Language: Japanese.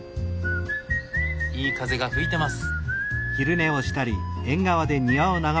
いい風が吹いてます。